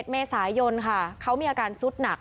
๑เมษายนค่ะเขามีอาการสุดหนัก